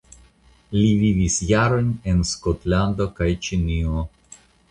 Li vivis jarojn en Skotlando kaj Ĉinio.